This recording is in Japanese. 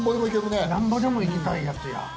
なんぼでもいきたいやつや。